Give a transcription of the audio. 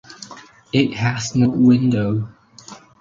It has no window.